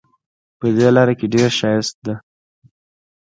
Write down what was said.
په دې لاره کې ډېر ښایست ده